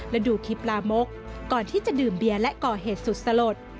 และดูคลิปลามกก่อนที่จะดื่มเบียร์และก่อเหตุสุดสลด